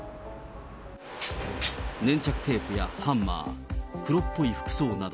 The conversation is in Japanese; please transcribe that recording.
粘着テープやハンマー、黒っぽい服装など、